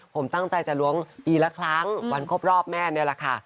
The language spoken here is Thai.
ผมตั้งใจจะล้วงปีละครั้งวันครบรอบแม่นี่แหละค่ะ